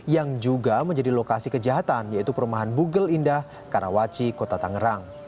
yang juga menjadi lokasi kejahatan yaitu perumahan bugel indah karawaci kota tangerang